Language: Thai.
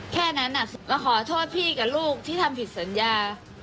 แค่นั้นก็ขอโทษพี่กับลูกที่ทำผิดสัญญา